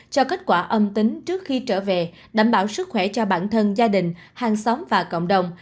cho kết quả âm tính trước khi trở về đảm bảo sức khỏe cho bản thân gia đình hàng xóm và cộng đồng